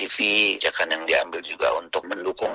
kebijakan yang diambil juga untuk mendukung